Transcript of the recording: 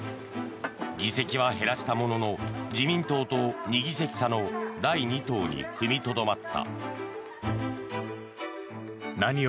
議席は減らしたものの自民党と２議席差の第２党に踏みとどまった。